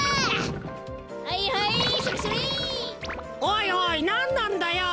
おいおいなんなんだよ！